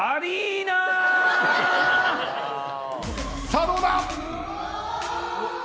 さあ、どうだ。